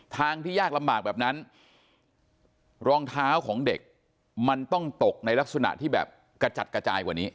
ทางที่ยากลำบากแบบนั้นรองเท้าของเด็กมันต้องตกในลักษณะที่แบบกระจัดกระจายกว่านี้